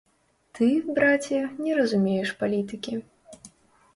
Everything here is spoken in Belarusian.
Ты, браце, не разумееш палітыкі.